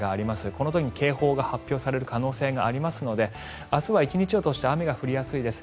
この時に警報が発表される可能性がありますので明日は１日を通して雨が降りやすいです。